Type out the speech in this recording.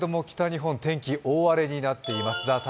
北日本、天気が大荒れになっています。